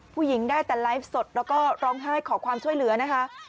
ผู้หญิงได้แต่ไลฟ์สดแล้วก็ร้องไห้ขอความช่วยเหลือนะคะ